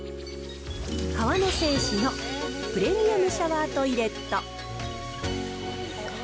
河野製紙のプレミアムシャワートイレット。